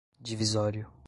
divisório